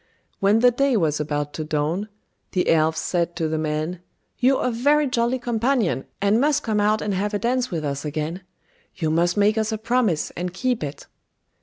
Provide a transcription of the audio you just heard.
When the day was about to dawn, the elves said to the man, "You're a very jolly companion, and must come out and have a dance with us again. You must make us a promise, and keep it."